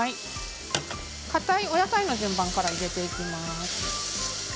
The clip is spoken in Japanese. かたいお野菜の順番から入れていきます。